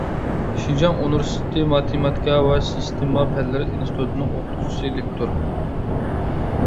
شىنجاڭ ئۇنىۋېرسىتېتى ماتېماتىكا ۋە سىستېما پەنلىرى ئىنستىتۇتىنىڭ ئوقۇتقۇچىسى، لېكتور.